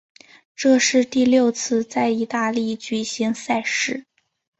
这是第六次在意大利举行赛事。